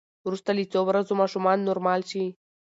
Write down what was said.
وروسته له څو ورځو ماشومان نورمال شي.